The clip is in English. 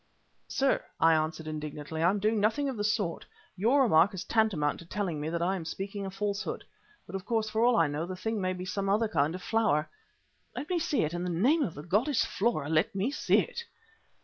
"Sir," I answered indignantly, "I am doing nothing of the sort. Your remark is tantamount to telling me that I am speaking a falsehood. But, of course, for all I know, the thing may be some other kind of flower." "Let me see it. In the name of the goddess Flora let me see it!"